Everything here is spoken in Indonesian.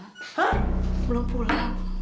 hah belum pulang